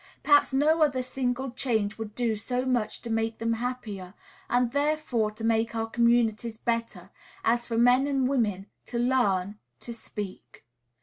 Perhaps no other single change would do so much to make them happier, and, therefore, to make our communities better, as for men and women to learn to speak.